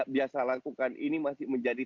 biasa lakukan ini masih menjadi